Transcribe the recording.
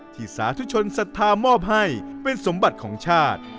สาธุชนศรัทธามอบให้เป็นสมบัติของชาติ